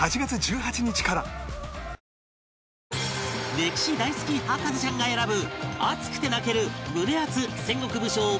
歴史大好き博士ちゃんが選ぶ熱くて泣ける